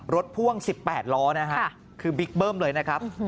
พ่วง๑๘ล้อนะฮะคือบิ๊กเบิ้มเลยนะครับ